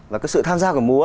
và cái sự tham gia của mùa